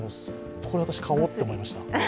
これ私、買おうと思いました。